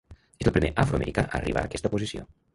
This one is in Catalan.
És el primer afroamericà a arribar a aquesta posició.